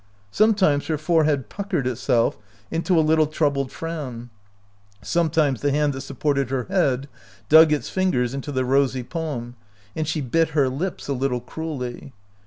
Sometimes her forehead puckered itself into a little troubled frown ; sometimes the hand that supported her head dug its fingers into the rosy palm, and she bit her lips a little cruelly.